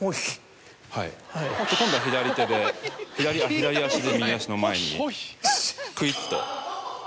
はい今度は左手であっ左足で右足の前にクイっと。